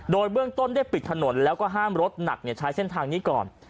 โดยเบื้องต้นได้ปิดถนนแล้วก็ห้ามรถหนักใช้เส้นทางนี้ก่อน